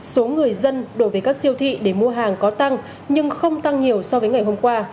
số người dân đổ về các siêu thị để mua hàng có tăng nhưng không tăng nhiều so với ngày hôm qua